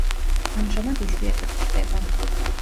ამჟამად იშვიათად გვხვდება.